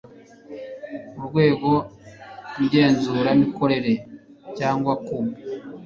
Urwego Ngenzuramikorere cyangwa ku